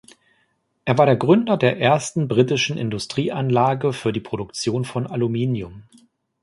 Er war der Gründer der ersten britischen Industrieanlage für die Produktion von Aluminium.